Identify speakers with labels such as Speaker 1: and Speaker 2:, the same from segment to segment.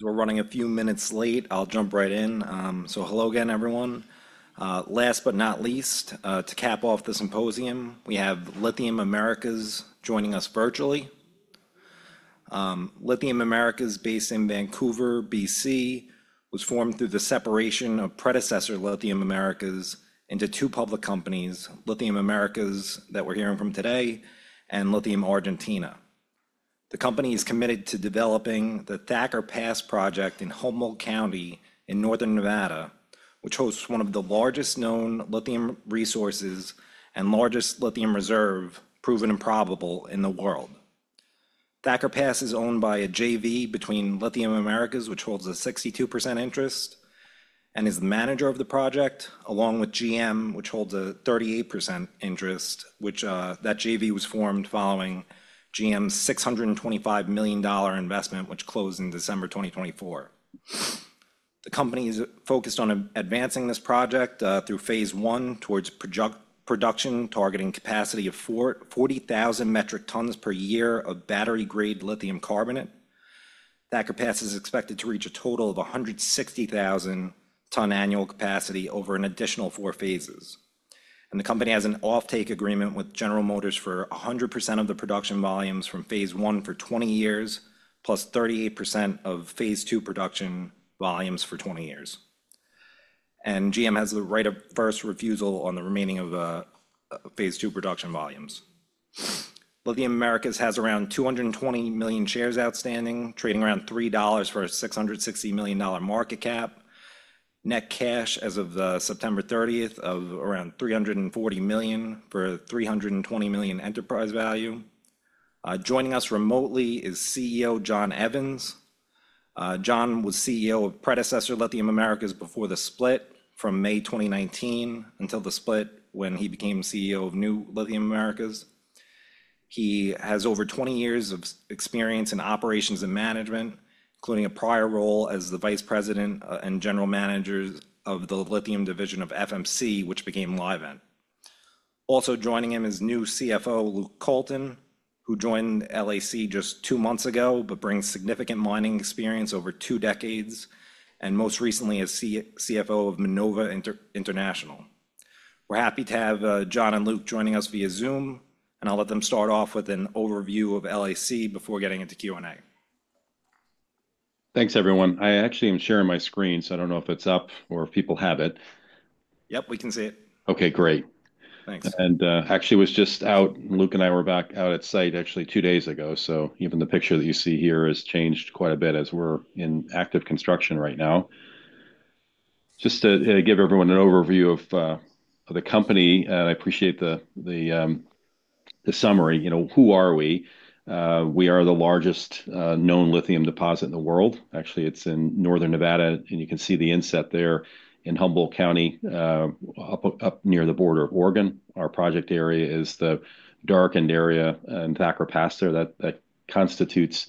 Speaker 1: We're running a few minutes late. I'll jump right in. Hello again, everyone. Last but not least, to cap off the symposium, we have Lithium Americas joining us virtually. Lithium Americas, based in Vancouver, BC, was formed through the separation of predecessor Lithium Americas into two public companies, Lithium Americas that we're hearing from today and Lithium Argentina. The company is committed to developing the Thacker Pass project in Humboldt County in Northern Nevada, which hosts one of the largest known lithium resources and largest lithium reserves, proven and probable, in the world. Thacker Pass is owned by a JV between Lithium Americas, which holds a 62% interest and is the manager of the project, along with GM, which holds a 38% interest. That JV was formed following GM's $625 million investment, which closed in December 2024. The company is focused on advancing this project through phase I towards production targeting a capacity of 40,000 metric tons per year of battery-grade lithium carbonate. Thacker Pass is expected to reach a total of 160,000 ton annual capacity over an additional four phases. The company has an off-take agreement with General Motors for 100% of the production volumes from phase I for 20 years, plus 38% of phase II production volumes for 20 years. GM has the right of first refusal on the remaining of phase II production volumes. Lithium Americas has around 220 million shares outstanding, trading around $3 for a $660 million market cap. Net cash as of September 30, 2023 of around $340 million for a $320 million enterprise value. Joining us remotely is CEO Jon Evans. Jon was CEO of predecessor Lithium Americas before the split from May 2019 until the split when he became CEO of new Lithium Americas. He has over 20 years of experience in operations and management, including a prior role as the Vice President and General Manager of the lithium division of FMC, which became Livent. Also joining him is new CFO Luke Colton, who joined LAC just two months ago but brings significant mining experience over two decades and most recently as CFO of Minova International. We're happy to have Jon and Luke joining us via Zoom, and I'll let them start off with an overview of LAC before getting into Q&A.
Speaker 2: Thanks, everyone. I actually am sharing my screen, so I don't know if it's up or if people have it.
Speaker 1: Yep, we can see it.
Speaker 2: Okay, great.
Speaker 1: Thanks.
Speaker 2: Actually, it was just out. Luke and I were back out at site, actually, two days ago. Even the picture that you see here has changed quite a bit as we're in active construction right now. Just to give everyone an overview of the company, and I appreciate the summary. Who are we? We are the largest known lithium deposit in the world. Actually, it's in northern Nevada, and you can see the inset there in Humboldt County, up near the border of Oregon. Our project area is the darkened area in Thacker Pass there that constitutes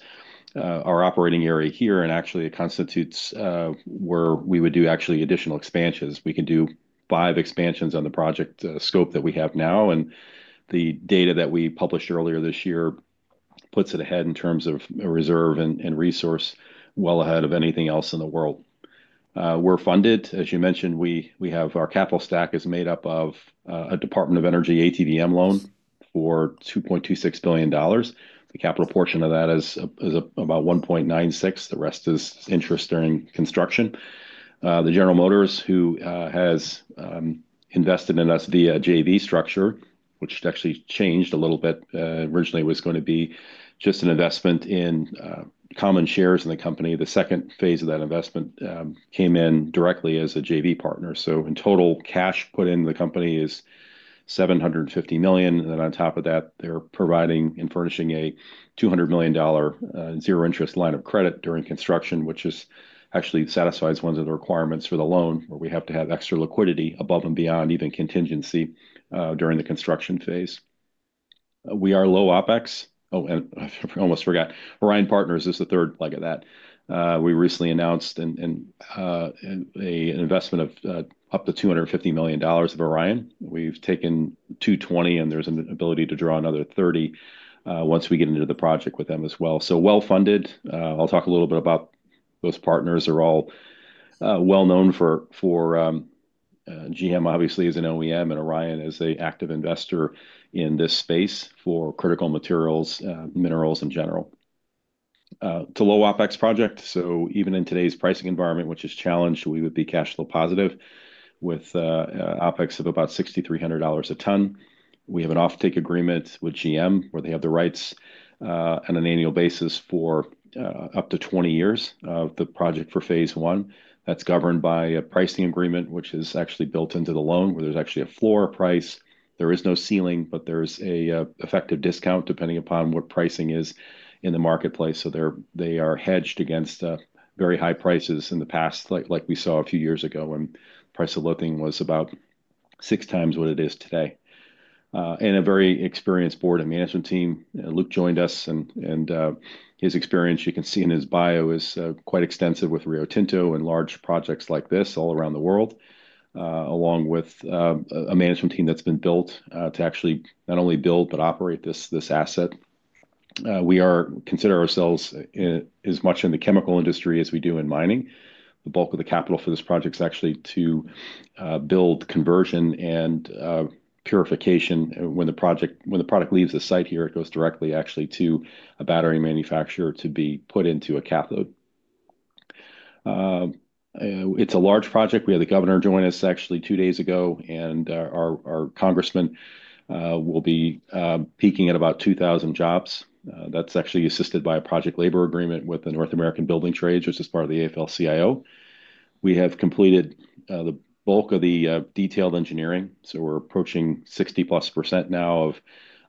Speaker 2: our operating area here, and actually, it constitutes where we would do actually additional expansions. We can do five expansions on the project scope that we have now, and the data that we published earlier this year puts it ahead in terms of reserve and resource well ahead of anything else in the world. We're funded, as you mentioned, our capital stack is made up of a Department of Energy ATVM Loan for $2.26 billion. The capital portion of that is about $1.96 billion. The rest is interest during construction. General Motors, who has invested in us via JV structure, which actually changed a little bit. Originally, it was going to be just an investment in common shares in the company. The second phase of that investment came in directly as a JV partner. In total, cash put into the company is $750 million. Then on top of that, they're providing and furnishing a $200 million zero-interest line of credit during construction, which actually satisfies one of the requirements for the loan, where we have to have extra liquidity above and beyond even contingency during the construction phase. We are low OpEx. Oh, and I almost forgot. Orion Resource Partners is the third leg of that. We recently announced an investment of up to $250 million of Orion. We've taken $220 million, and there's an ability to draw another $30 million once we get into the project with them as well. So well funded. I'll talk a little bit about those partners. They're all well known for GM, obviously, as an OEM, and Orion as an active investor in this space for critical materials, minerals in general. It's a low OpEx project. Even in today's pricing environment, which is challenged, we would be cash flow positive with OpEx of about $6,300 a ton. We have an off-take agreement with GM, where they have the rights on an annual basis for up to 20 years of the project for phase I. That is governed by a pricing agreement, which is actually built into the loan, where there is actually a floor price. There is no ceiling, but there is an effective discount depending upon what pricing is in the marketplace. They are hedged against very high prices in the past, like we saw a few years ago, when the price of lithium was about six times what it is today. A very experienced board and management team. Luke joined us, and his experience, you can see in his bio, is quite extensive with Rio Tinto and large projects like this all around the world, along with a management team that's been built to actually not only build but operate this asset. We consider ourselves as much in the chemical industry as we do in mining. The bulk of the capital for this project is actually to build conversion and purification. When the product leaves the site here, it goes directly, actually, to a battery manufacturer to be put into a cathode. It's a large project. We had the governor join us actually two days ago, and our congressman will be peaking at about 2,000 jobs. That's actually assisted by a project labor agreement with the North American Building Trades, which is part of the AFL-CIO. We have completed the bulk of the detailed engineering. We're approaching 60%+ now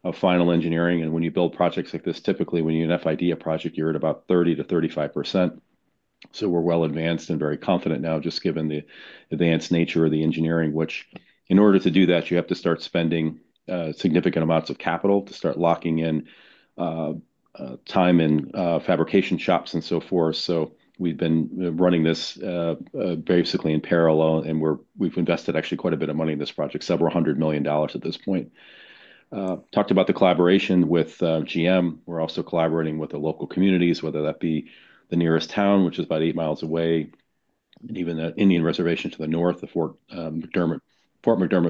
Speaker 2: of final engineering. When you build projects like this, typically, when you FID a project, you're at about 30%-35%. We're well advanced and very confident now, just given the advanced nature of the engineering, which in order to do that, you have to start spending significant amounts of capital to start locking in time in fabrication shops and so forth. We've been running this basically in parallel, and we've invested actually quite a bit of money in this project, several hundred million dollars at this point. Talked about the collaboration with GM. We're also collaborating with the local communities, whether that be the nearest town, which is about 8 mi away, and even the Indian reservation to the north, the Fort McDermitt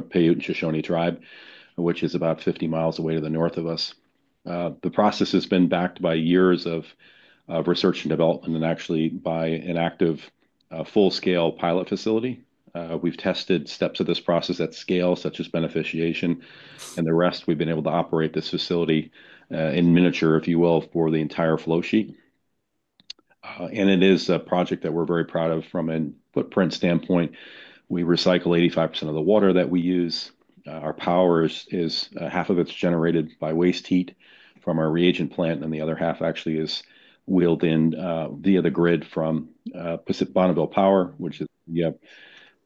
Speaker 2: Paiute and Shoshone Tribes, which is about 50 mi away to the north of us. The process has been backed by years of research and development and actually by an active full-scale pilot facility. We've tested steps of this process at scale, such as beneficiation, and the rest. We've been able to operate this facility in miniature, if you will, for the entire flowsheet. It is a project that we're very proud of from a footprint standpoint. We recycle 85% of the water that we use. Our power is half of it's generated by waste heat from our reagent plant, and the other half actually is wheeled in via the grid from Bonneville Power, which is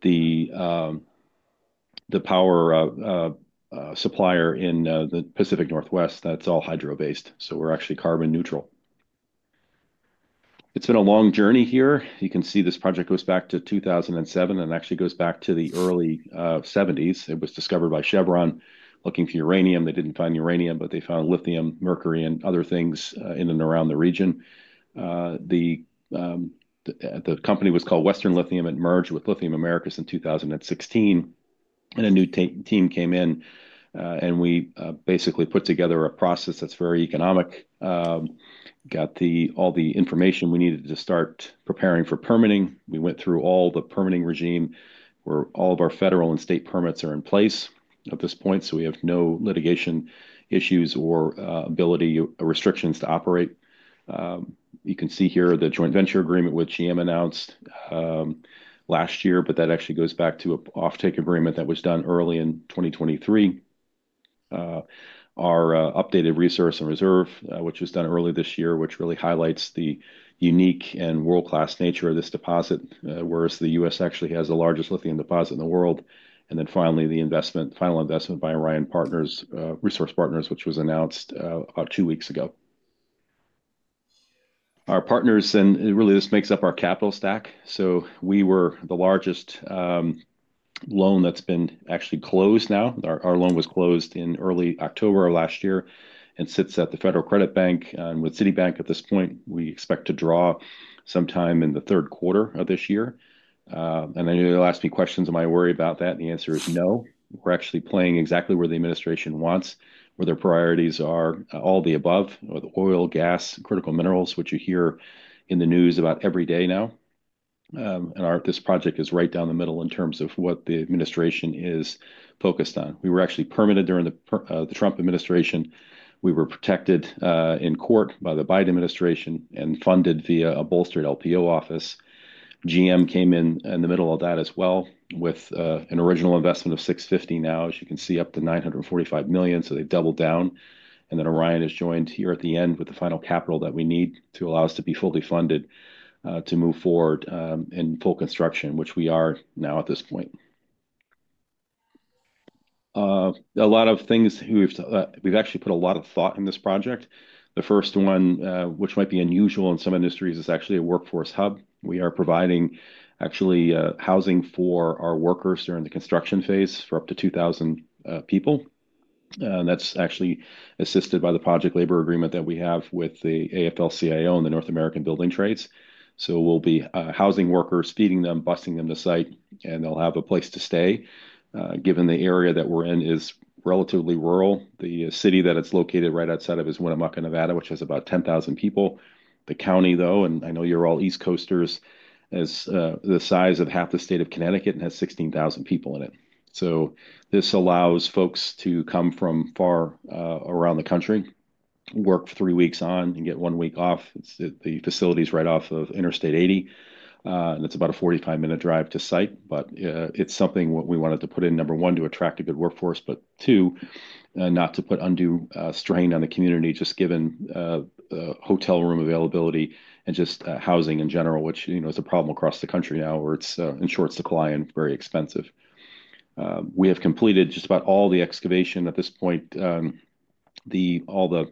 Speaker 2: the power supplier in the Pacific Northwest. That's all hydro-based. We are actually carbon neutral. It's been a long journey here. You can see this project goes back to 2007, and it actually goes back to the early 1970s. It was discovered by Chevron looking for uranium. They didn't find uranium, but they found lithium, mercury, and other things in and around the region. The company was called Western Lithium. It merged with Lithium Americas in 2016, and a new team came in, and we basically put together a process that's very economic. Got all the information we needed to start preparing for permitting. We went through all the permitting regime where all of our federal and state permits are in place at this point, so we have no litigation issues or ability restrictions to operate. You can see here the joint venture agreement which GM announced last year, but that actually goes back to an off-take agreement that was done early in 2023. Our updated resource and reserve, which was done early this year, which really highlights the unique and world-class nature of this deposit, whereas the U.S. actually has the largest lithium deposit in the world. Finally, the final investment by Orion Resource Partners, which was announced about two weeks ago. Our partners, and really this makes up our capital stack. We were the largest loan that's been actually closed now. Our loan was closed in early October of last year and sits at the Federal Credit Bank and with Citibank at this point. We expect to draw sometime in the third quarter of this year. You'll ask me questions, "Am I worried about that?" The answer is no. We're actually playing exactly where the administration wants, where their priorities are all the above, with oil, gas, critical minerals, which you hear in the news about every day now. This project is right down the middle in terms of what the administration is focused on. We were actually permitted during the Trump administration. We were protected in court by the Biden administration and funded via a bolstered LPO office. GM came in the middle of that as well with an original investment of $650 million. Now, as you can see, up to $945 million. They've doubled down. Orion has joined here at the end with the final capital that we need to allow us to be fully funded to move forward in full construction, which we are now at this point. A lot of things we've actually put a lot of thought in this project. The first one, which might be unusual in some industries, is actually a workforce hub. We are providing actually housing for our workers during the construction phase for up to 2,000 people. That's actually assisted by the project labor agreement that we have with the AFL-CIO and the North American Building Trades. We will be housing workers, feeding them, bussing them to site, and they'll have a place to stay. Given the area that we're in is relatively rural, the city that it's located right outside of is Winnemucca, Nevada, which has about 10,000 people. The county, though, and I know you're all East Coasters, is the size of half the state of Connecticut and has 16,000 people in it. This allows folks to come from far around the country, work three weeks on, and get one week off. The facility is right off of Interstate 80, and it's about a 45-minute drive to site. It is something we wanted to put in, number one, to attract a good workforce, but two, not to put undue strain on the community, just given hotel room availability and just housing in general, which is a problem across the country now where it's in short supply and very expensive. We have completed just about all the excavation at this point. All the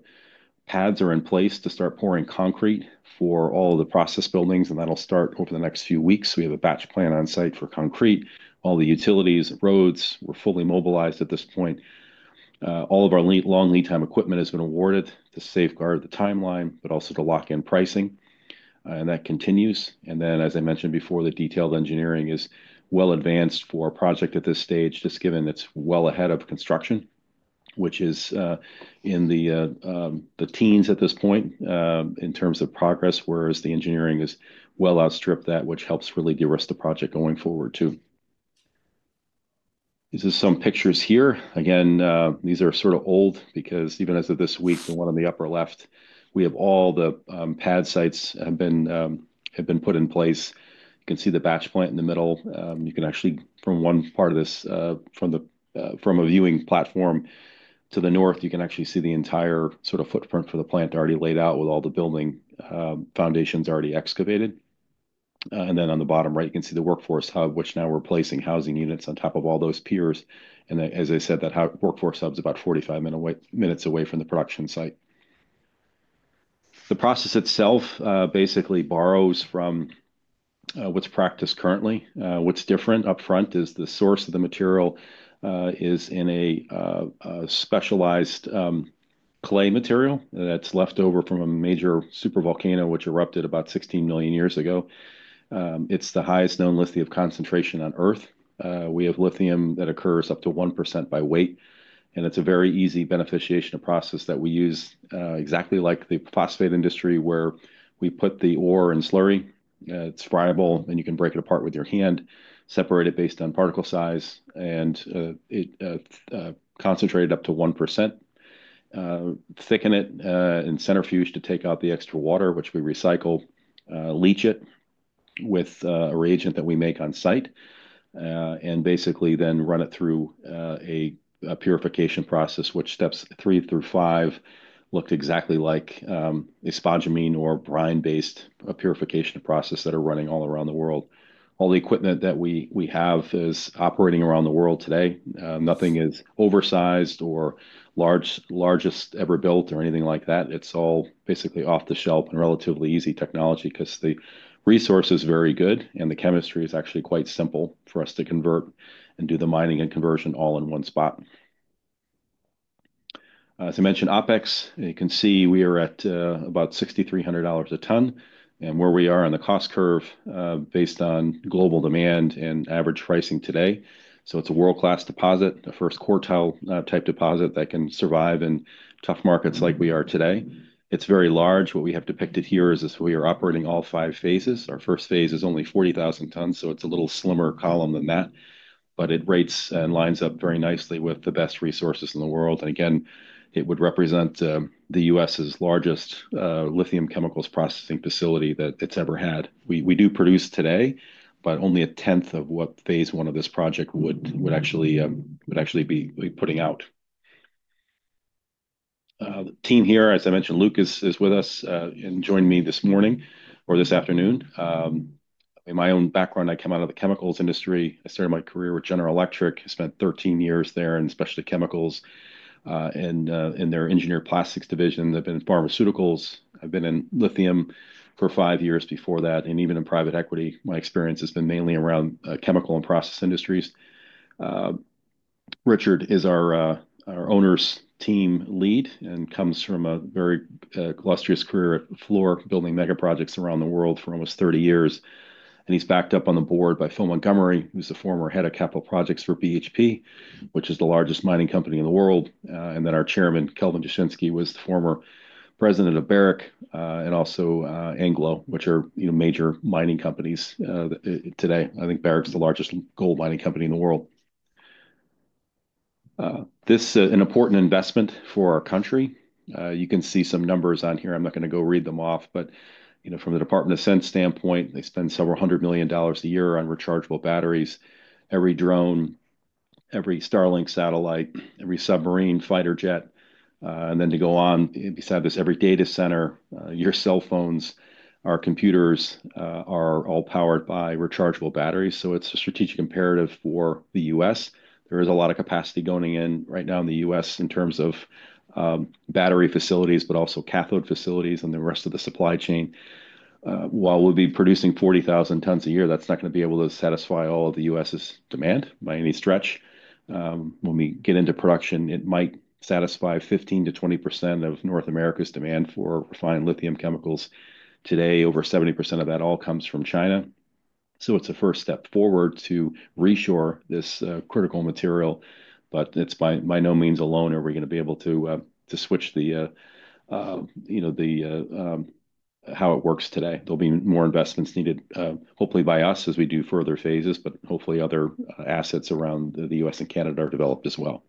Speaker 2: pads are in place to start pouring concrete for all of the process buildings, and that'll start over the next few weeks. We have a batch plant on site for concrete, all the utilities, roads. We're fully mobilized at this point. All of our long lead-time equipment has been awarded to safeguard the timeline, but also to lock in pricing, and that continues. As I mentioned before, the detailed engineering is well advanced for a project at this stage, just given it's well ahead of construction, which is in the teens at this point in terms of progress, whereas the engineering has well outstripped that, which helps really give us the project going forward too. This is some pictures here. Again, these are sort of old because even as of this week, the one on the upper left, we have all the pad sites have been put in place. You can see the batch plant in the middle. You can actually, from one part of this, from a viewing platform to the north, you can actually see the entire sort of footprint for the plant already laid out with all the building foundations already excavated. On the bottom right, you can see the workforce hub, which now we're placing housing units on top of all those piers. As I said, that workforce hub is about 45 minutes away from the production site. The process itself basically borrows from what's practiced currently. What's different upfront is the source of the material is in a specialized clay material that's left over from a major supervolcano, which erupted about 16 million years ago. It's the highest known lithium concentration on Earth. We have lithium that occurs up to 1% by weight, and it's a very easy beneficiation process that we use exactly like the phosphate industry, where we put the ore in slurry. It's friable, and you can break it apart with your hand, separate it based on particle size, and concentrate it up to 1%, thicken it in centrifuge to take out the extra water, which we recycle, leach it with a reagent that we make on site, and basically then run it through a purification process, which steps three through five look exactly like a spodumene or brine-based purification process that are running all around the world. All the equipment that we have is operating around the world today. Nothing is oversized or largest ever built or anything like that. It's all basically off the shelf and relatively easy technology because the resource is very good, and the chemistry is actually quite simple for us to convert and do the mining and conversion all in one spot. As I mentioned, OpEx, you can see we are at about $6,300 a ton, and where we are on the cost curve based on global demand and average pricing today. It is a world-class deposit, a first quartile type deposit that can survive in tough markets like we are today. It is very large. What we have depicted here is we are operating all five phases. Our first phase is only 40,000 tons, so it is a little slimmer column than that, but it rates and lines up very nicely with the best resources in the world. It would represent the U.S.'s largest lithium chemicals processing facility that it has ever had. We do produce today, but only a tenth of what phase I of this project would actually be putting out. Team here, as I mentioned, Luke is with us and joined me this morning or this afternoon. In my own background, I come out of the chemicals industry. I started my career with General Electric, spent 13 years there in specialty chemicals in their engineered plastics division. I've been in pharmaceuticals. I've been in lithium for five years before that, and even in private equity, my experience has been mainly around chemical and process industries. Richard is our owners team lead and comes from a very illustrious career at Fluor, building megaprojects around the world for almost 30 years. He is backed up on the board by Phil Montgomery, who's the former Head of capital projects for BHP, which is the largest mining company in the world. Our chairman, Kelvin Dushnisky, was the former president of Barrick and also AngloGold Ashanti Ltd, which are major mining companies today. I think Barrick's the largest gold mining company in the world. This is an important investment for our country. You can see some numbers on here. I'm not going to go read them off, but from the Department of Defense standpoint, they spend several hundred million dollars a year on rechargeable batteries. Every drone, every Starlink satellite, every submarine, fighter jet, and then to go on beside this, every data center, your cell phones, our computers are all powered by rechargeable batteries. It is a strategic imperative for the U.S. There is a lot of capacity going in right now in the U.S. in terms of battery facilities, but also cathode facilities and the rest of the supply chain. While we'll be producing 40,000 tons a year, that's not going to be able to satisfy all of the U.S.'s demand by any stretch. When we get into production, it might satisfy 15%-20% of North America's demand for refined lithium chemicals. Today, over 70% of that all comes from China. It is a first step forward to reshore this critical material, but it is by no means alone. Are we going to be able to switch the how it works today? There will be more investments needed, hopefully by us as we do further phases, but hopefully other assets around the U.S. and Canada are developed as well.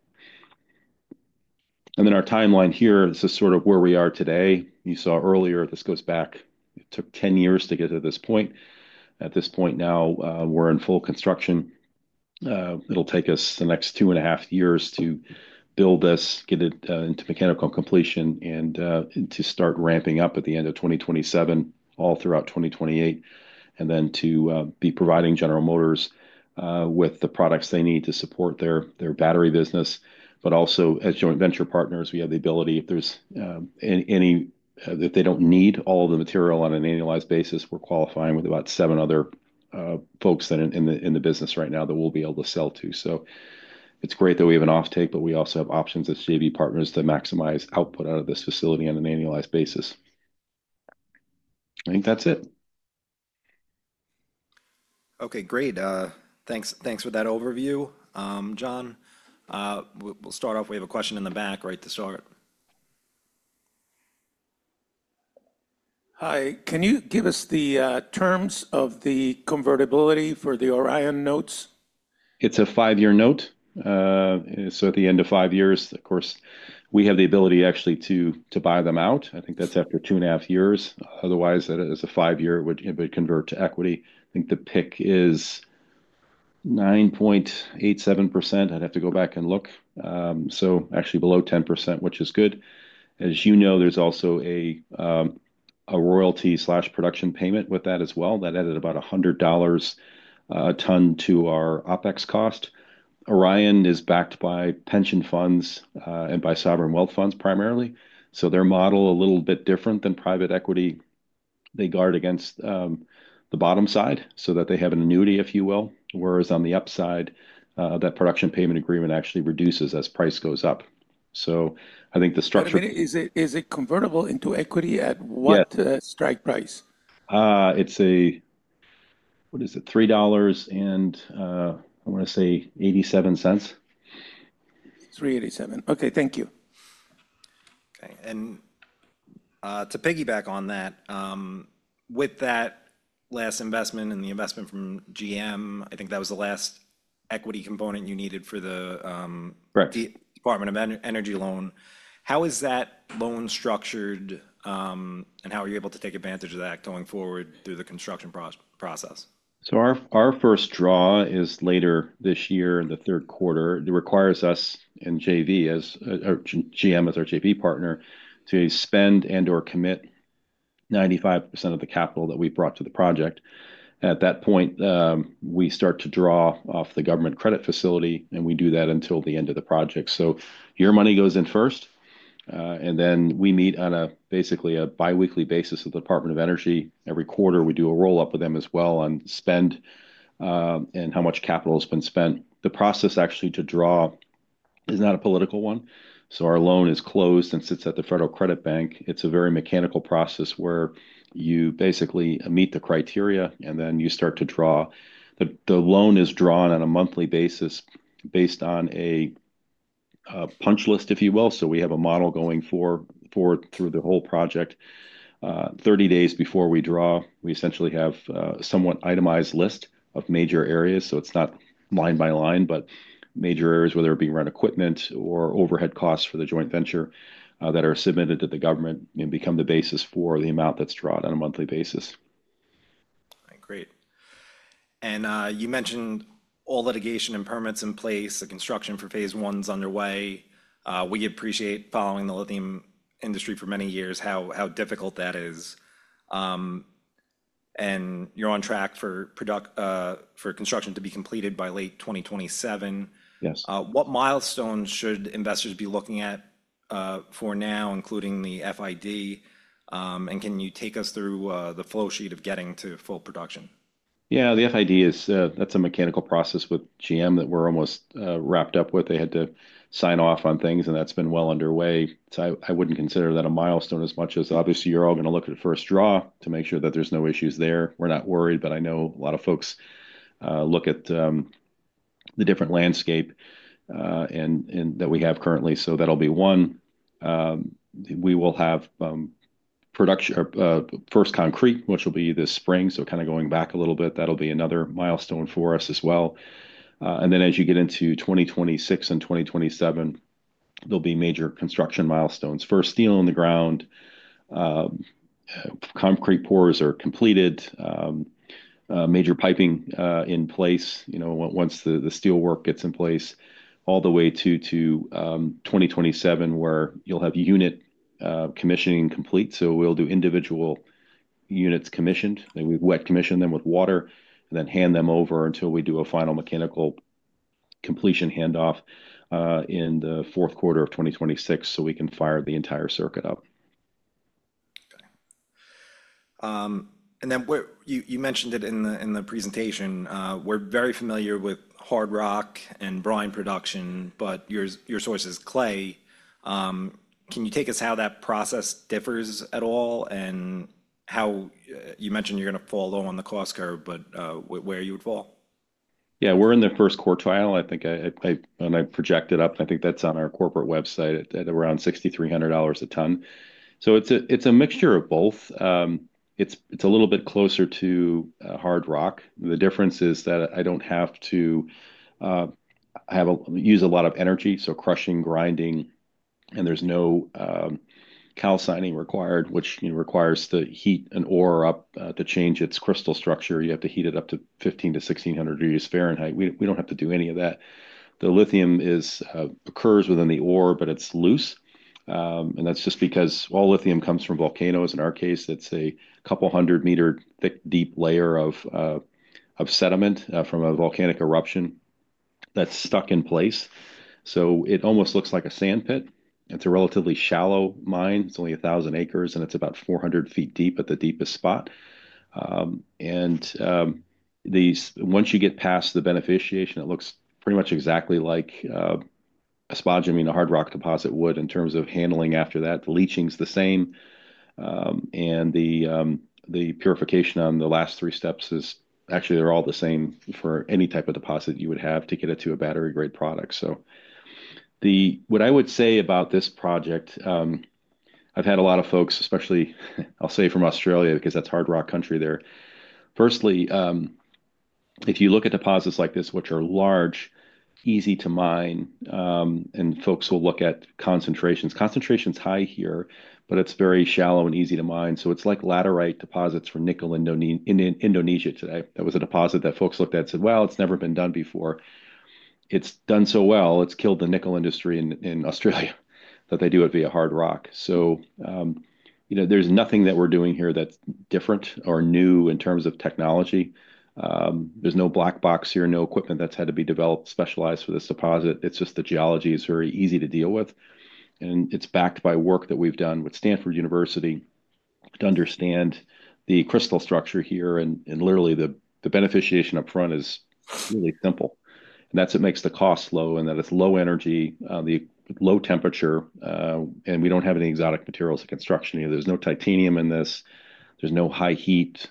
Speaker 2: Our timeline here, this is sort of where we are today. You saw earlier, this goes back, it took 10 years to get to this point. At this point now, we are in full construction. It'll take us the next two and a half years to build this, get it into mechanical completion, and to start ramping up at the end of 2027, all throughout 2028, and then to be providing General Motors with the products they need to support their battery business. Also, as joint venture partners, we have the ability if they do not need all of the material on an annualized basis, we're qualifying with about seven other folks in the business right now that we'll be able to sell to. It is great that we have an offtake, but we also have options as JV partners to maximize output out of this facility on an annualized basis. I think that's it.
Speaker 1: Okay, great. Thanks for that overview. Jon, we'll start off. We have a question in the back, right to start. Hi. Can you give us the terms of the convertibility for the Orion notes?
Speaker 2: It's a five-year note. At the end of five years, of course, we have the ability actually to buy them out. I think that's after two and a half years. Otherwise, it's a five-year note; it would convert to equity. I think the pick is 9.87%. I'd have to go back and look. Actually below 10%, which is good. As you know, there's also a royalty/production payment with that as well. That added about $100 a ton to our OpEx cost. Orion is backed by pension funds and by sovereign wealth funds primarily. Their model is a little bit different than private equity. They guard against the bottom side so that they have an annuity, if you will, whereas on the upside, that production payment agreement actually reduces as price goes up. I think the structure. Is it convertible into equity at what strike price? It's a, what is it, $3 and I want to say $0.87. $3.87. Okay, thank you. To piggyback on that, with that last investment and the investment from GM, I think that was the last equity component you needed for the Department of Energy loan. How is that loan structured, and how are you able to take advantage of that going forward through the construction process? Our first draw is later this year, the third quarter. It requires us and JV, GM is our JV partner, to spend and/or commit 95% of the capital that we brought to the project. At that point, we start to draw off the government credit facility, and we do that until the end of the project. Your money goes in first, and then we meet on basically a biweekly basis with the Department of Energy. Every quarter, we do a roll-up with them as well on spend and how much capital has been spent. The process actually to draw is not a political one. Our loan is closed and sits at the Federal Credit Bank. It is a very mechanical process where you basically meet the criteria, and then you start to draw. The loan is drawn on a monthly basis based on a punch list, if you will. We have a model going forward through the whole project. Thirty days before we draw, we essentially have a somewhat itemized list of major areas. It is not line by line, but major areas, whether it be run equipment or overhead costs for the joint venture, that are submitted to the government and become the basis for the amount that is drawn on a monthly basis. All right, great. You mentioned all litigation and permits in place. The construction for phase I is underway. We appreciate, following the lithium industry for many years, how difficult that is. You are on track for construction to be completed by late 2027. What milestones should investors be looking at for now, including the FID? Can you take us through the flowsheet of getting to full production? Yeah, the FID, that is a mechanical process with GM that we are almost wrapped up with. They had to sign off on things, and that has been well underway. I wouldn't consider that a milestone as much as obviously you're all going to look at first draw to make sure that there's no issues there. We're not worried, but I know a lot of folks look at the different landscape that we have currently. That'll be one. We will have first concrete, which will be this spring. Kind of going back a little bit, that'll be another milestone for us as well. As you get into 2026 and 2027, there'll be major construction milestones. First steel on the ground, concrete pours are completed, major piping in place once the steel work gets in place, all the way to 2027 where you'll have unit commissioning complete. We'll do individual units commissioned. We've wet commissioned them with water and then hand them over until we do a final mechanical completion handoff in the fourth quarter of 2026 so we can fire the entire circuit up. Okay. You mentioned it in the presentation. We're very familiar with hard rock and brine production, but your source is clay. Can you take us how that process differs at all and how you mentioned you're going to fall low on the cost curve, but where you would fall? Yeah, we're in the first quartile. I think when I project it up, I think that's on our corporate website at around $6,300 a ton. So it's a mixture of both. It's a little bit closer to hard rock. The difference is that I don't have to use a lot of energy. Crushing, grinding, and there's no calcining required, which requires the heat and ore up to change its crystal structure. You have to heat it up to 1,500 to 1,600 degrees Fahrenheit. We don't have to do any of that. The lithium occurs within the ore, but it's loose. That's just because all lithium comes from volcanoes. In our case, it's a couple hundred meter thick, deep layer of sediment from a volcanic eruption that's stuck in place. It almost looks like a sandpit. It's a relatively shallow mine. It's only 1,000 acres, and it's about 400 feet deep at the deepest spot. Once you get past the beneficiation, it looks pretty much exactly like a spodumene hard rock deposit would in terms of handling after that. The leaching is the same. The purification on the last three steps is actually all the same for any type of deposit. You would have to get it to a battery-grade product. What I would say about this project, I've had a lot of folks, especially I'll say from Australia because that's hard rock country there. Firstly, if you look at deposits like this, which are large, easy to mine, and folks will look at concentrations. Concentration is high here, but it's very shallow and easy to mine. It's like laterite deposits for nickel in Indonesia today. That was a deposit that folks looked at and said, "Well, it's never been done before." It's done so well. It's killed the nickel industry in Australia that they do it via hard rock. There's nothing that we're doing here that's different or new in terms of technology. There's no black box here, no equipment that's had to be developed specialized for this deposit. It's just the geology is very easy to deal with. It's backed by work that we've done with Stanford University to understand the crystal structure here. Literally, the beneficiation upfront is really simple. That's what makes the cost low and that it's low energy, low temperature. We don't have any exotic materials to construction here. There's no titanium in this. There's no high heat,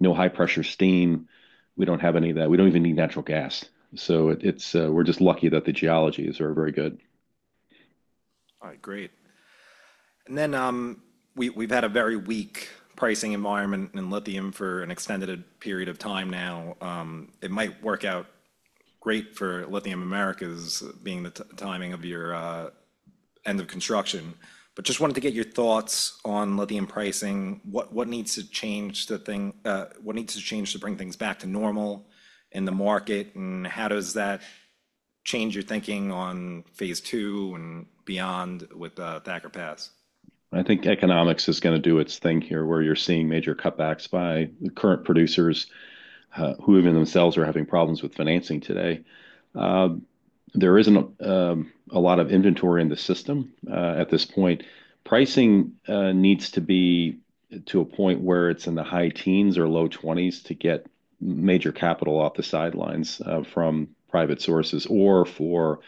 Speaker 2: no high-pressure steam. We don't have any of that. We don't even need natural gas. We're just lucky that the geologies are very good. All right, great. We've had a very weak pricing environment in lithium for an extended period of time now. It might work out great for Lithium Americas being the timing of your end of construction. Just wanted to get your thoughts on lithium pricing. What needs to change to bring things back to normal in the market? How does that change your thinking on phase two and beyond with Thacker Pass? I think economics is going to do its thing here where you're seeing major cutbacks by current producers who even themselves are having problems with financing today. There isn't a lot of inventory in the system at this point. Pricing needs to be to a point where it's in the high teens or low twenties to get major capital off the sidelines from private sources or for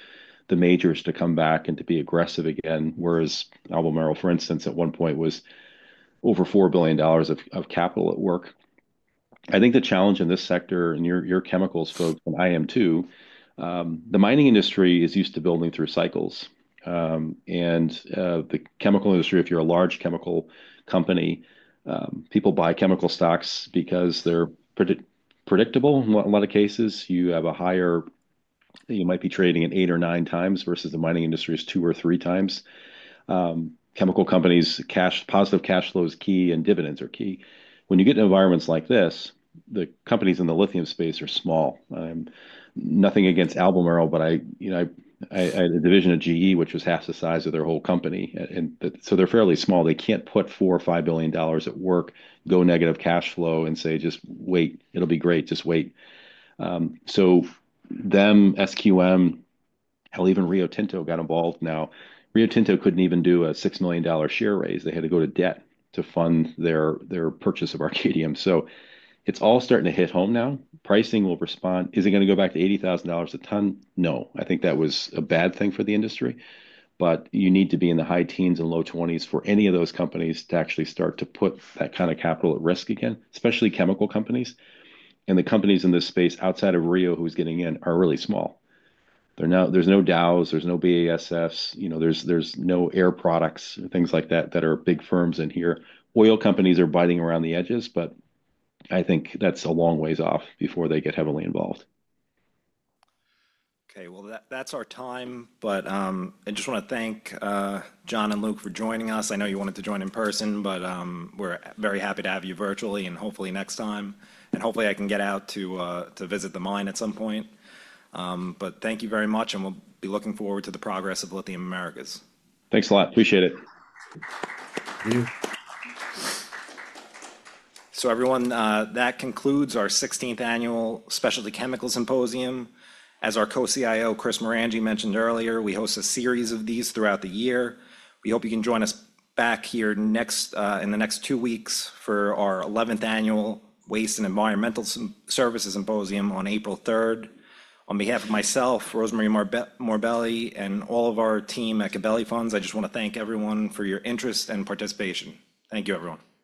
Speaker 2: the majors to come back and to be aggressive again. Whereas Albemarle, for instance, at one point was over $4 billion of capital at work. I think the challenge in this sector, and your chemicals folks, and I am too, the mining industry is used to building through cycles. The chemical industry, if you're a large chemical company, people buy chemical stocks because they're predictable. In a lot of cases, you have a higher, you might be trading at eight or nine times versus the mining industry is two or three times. Chemical companies, positive cash flow is key and dividends are key. When you get to environments like this, the companies in the lithium space are small. Nothing against Albemarle, but I had a division of GE, which was half the size of their whole company. They are fairly small. They can't put $4 billion-$5 billion at work, go negative cash flow and say, "Just wait. It'll be great. Just wait. So them, SQM, hell, even Rio Tinto got involved now. Rio Tinto could not even do a $6 million share raise. They had to go to debt to fund their purchase of Arcadium. It is all starting to hit home now. Pricing will respond. Is it going to go back to $80,000 a ton? No. I think that was a bad thing for the industry. You need to be in the high teens and low twenties for any of those companies to actually start to put that kind of capital at risk again, especially chemical companies. The companies in this space outside of Rio, who is getting in, are really small. There are no DAOs. There are no BASFs. There are no air products, things like that, that are big firms in here. Oil companies are biting around the edges, but I think that's a long ways off before they get heavily involved.
Speaker 1: Okay, that's our time. I just want to thank Jon and Luke for joining us. I know you wanted to join in person, but we're very happy to have you virtually and hopefully next time. Hopefully, I can get out to visit the mine at some point. Thank you very much, and we'll be looking forward to the progress of Lithium Americas.
Speaker 2: Thanks a lot. Appreciate it.
Speaker 3: Thank you.
Speaker 1: Everyone, that concludes our 16th Annual Specialty Chemical Symposium. As our co-CIO, Chris Marangi, mentioned earlier, we host a series of these throughout the year. We hope you can join us back here in the next two weeks for our 11th Annual Waste and Environmental Services Symposium on April 3rd. On behalf of myself, Rosemarie Morbelli, and all of our team at Gabelli Funds, I just want to thank everyone for your interest and participation. Thank you, everyone.